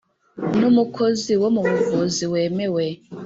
n umukozi wo mu buvuzi wemewe